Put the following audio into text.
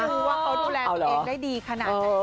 ให้ดูว่าก็ให้ดูแลตัวเองได้ดีขนาดใด